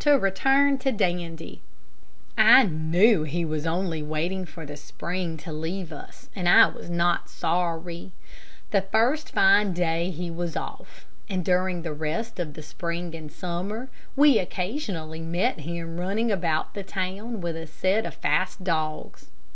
To return to Dandy. I knew he was only waiting for the spring to leave us, and I was not sorry. The first fine day he was off, and during the rest of the spring and summer we occasionally met him running about the town with a set of fast dogs.